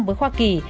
với hoa kỳ